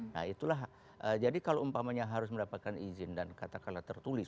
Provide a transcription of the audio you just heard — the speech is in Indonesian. nah itulah jadi kalau umpamanya harus mendapatkan izin dan katakanlah tertulis